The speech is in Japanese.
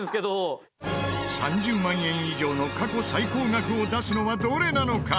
３０万円以上の過去最高額を出すのはどれなのか？